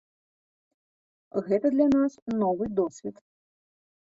Гэта для нас новы досвед.